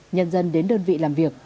nhân dân đến đơn vị làm việc